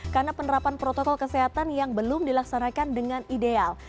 karena penerapan protokol kesehatan yang belum dilaksanakan dengan ideal